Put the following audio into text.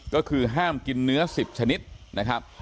ก็คือห้ามกินเนื้อ๑๐ชนิดนะครับ